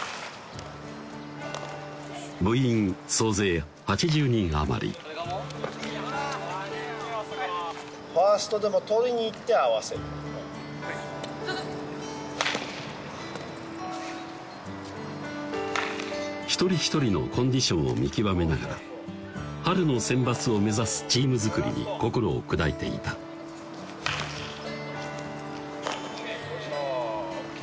部員総勢８０人余りファーストでも取りに行って合わせる一人一人のコンディションを見極めながら春のセンバツを目指すチーム作りに心を砕いていたよいしょＯＫ！